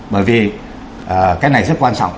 bởi vì cái này rất quan trọng